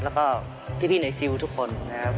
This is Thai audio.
แล้วก็พี่ในซิลทุกคนนะครับ